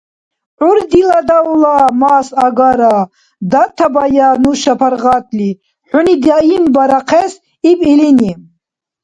– ГӀур дила давла-мас агара, датабая нуша паргъатли гьуни даимбарахъес, - иб илини.